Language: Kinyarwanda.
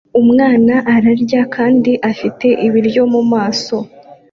Umwana ararya kandi afite ibiryo mumaso